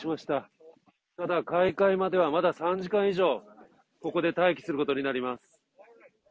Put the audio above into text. ただ、開会まではまだ３時間以上、ここで待機することになります。